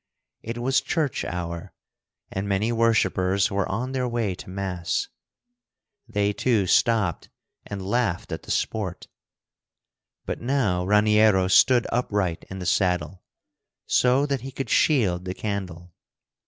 It was church hour, and many worshipers were on their way to Mass. They, too, stopped and laughed at the sport. But now Raniero stood upright in the saddle, so that he could shield the candle.